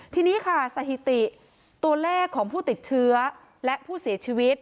ทีนี้ค่ะสถิติตัวเลขของผู้ติดเชื้อและผู้เสียชีวิต